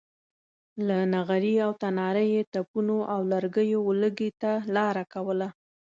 له نغري او تناره یې تپونو او لوګیو ولږې ته لاره کوله.